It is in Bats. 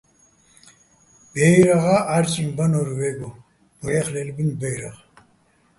ბაჲრაღა́ ჺა́რჭიჼ ბანო́რ ვაჲგო, ბუჰ̦ეხ ლე́ლბუჲნი ბაჲრაღ.